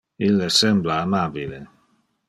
Ille sembla amabile.